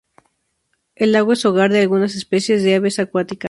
El lago es hogar de algunas especies de aves acuáticas.